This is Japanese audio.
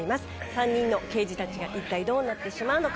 ３人の刑事たちが一体どうなってしまうのか？